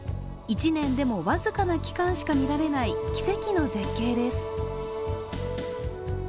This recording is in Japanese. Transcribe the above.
１年でも僅かな期間しか見られない奇跡の絶景です。